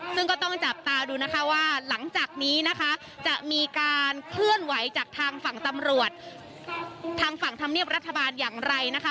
ซึ่งก็ต้องจับตาดูนะคะว่าหลังจากนี้นะคะจะมีการเคลื่อนไหวจากทางฝั่งตำรวจทางฝั่งธรรมเนียบรัฐบาลอย่างไรนะคะ